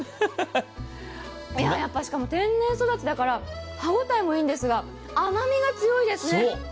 天然育ちだから歯応えもいいんですが、甘みが強いですね。